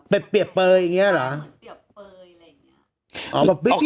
เป็นเปรียบเปลยอย่างเงี้ยเหรอ